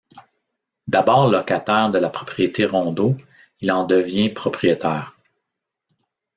D'abord locataire de la propriété Rondeau, il en devient propriétaire.